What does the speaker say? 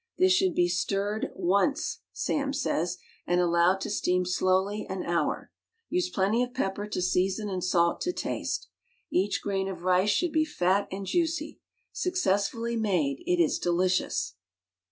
This should be stirred ONCE, Sam says, and allowed to steam slowly an hour. Use plenty of pepper to season and salt to taste. Each grain of rice should be fat and juicy. Successfully made it is delicious.